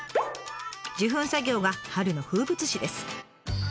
受粉作業は春の風物詩です。